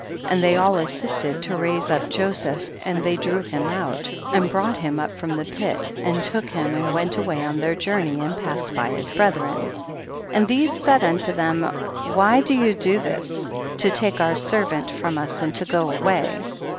and they all assisted to raise up Joseph and they drew him out, and brought him THE BOOK OF JASHER. 129 up from the pit, and took him and Went away on their journey and passed by his brethren. 8. And these said unto them, why do you do this, to take our servant from us and to go away